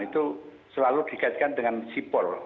itu selalu dikaitkan dengan sipol